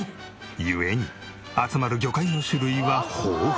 故に集まる魚介の種類は豊富。